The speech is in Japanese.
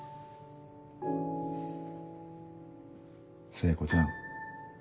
聖子ちゃん